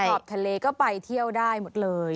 ขอบทะเลก็ไปเที่ยวได้หมดเลย